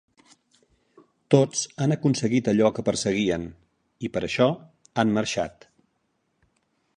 Tots han aconseguit allò que perseguien i per això han marxat.